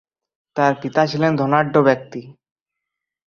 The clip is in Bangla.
তার পিতা ছিলেন ধনাঢ্য ব্যক্তি।